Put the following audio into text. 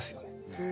うん。